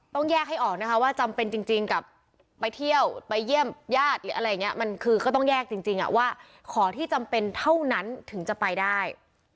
ต้องแยกให้ออกนะคะว่าจำเป็นจริงกับไปเที่ยวไปเยี่ยมญาติหรืออะไรอย่างนี้มันคือก็ต้องแยกจริงว่าขอที่จำเป็นเท่านั้นถึงจะไปได้